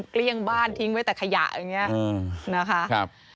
เกลี้ยงบ้านทิ้งไว้แต่ขยะอย่างนี้นะคะ